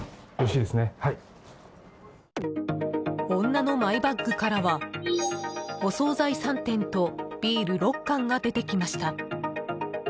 女のマイバッグからはお総菜３点とビール６缶が出てきました。